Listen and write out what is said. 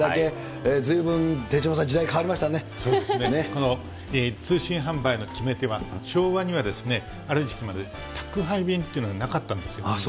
すごい、これだけ、ずいぶん手嶋そうですね、通信販売の決め手は昭和にはある時期まで宅配便っていうのがなかったんですよ。